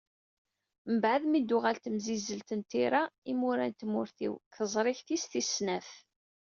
Mbeɛd mi i d-tuɣal temsizzelt n tira "Imura n tmurt-iw" deg teẓrigt-is tis snat.